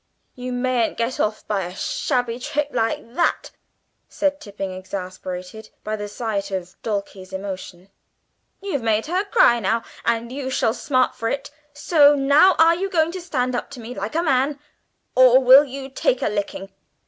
"You shan't get off by a shabby trick like that," said Tipping, exasperated by the sight of Dulcie's emotion; "you've made her cry now, and you shall smart for it. So, now, are you going to stand up to me like a man, or will you take a licking?"